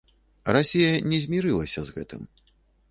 Расія не змірылася з гэтым.